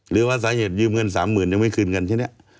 หรือว่าสายเหยียดยืมเงินสามหมื่นยังไม่คืนเงินแค่นี้